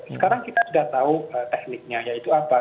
sekarang kita sudah tahu tekniknya yaitu apa